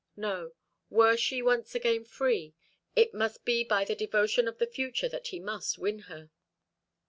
No, were she once again free, it would be by the devotion of the future that he must win her.